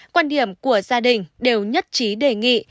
quan điểm của gia đình đều nhất trí đề nghị